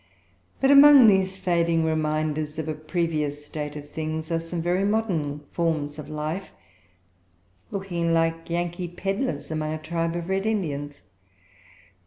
But, amongst these fading remainders of a previous state of things, are some very modern forms of life, looking like Yankee pedlars among a tribe of Red Indians.